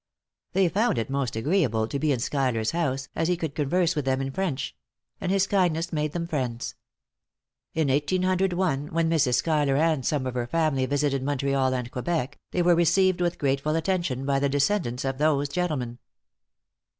They found it most agreeable to be in Schuyler's house, as he could converse with them in French; and his kindness made them friends. In 1801, when Mrs. Schuyler and some of her family visited Montreal and Quebec, they were received with grateful attention by the descendants of those gentlemen.